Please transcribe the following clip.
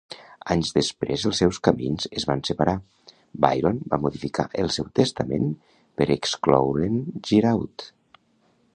Anys després els seus camins es van separar, Byron va modificar el seu testament per excloure'n Giraud.